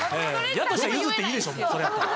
やとしたら譲っていいでしょそれやったら。